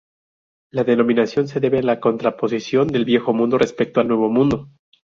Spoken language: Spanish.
La denominación se debe a la contraposición del viejo mundo respecto al nuevo mundo.